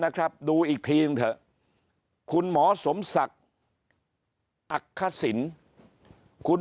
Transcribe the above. ครับดูอีกทีหนึ่งเถอะคุณหมอสมศักดิ์อักษิณคุณ